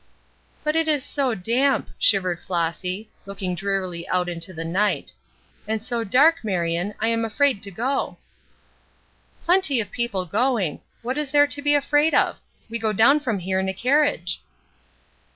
"But it is so damp," shivered Flossy, looking drearily out into the night, "and so dark, Marion, I am afraid to go." "Plenty of people going. What is there to be afraid of? We go down from here in a carriage."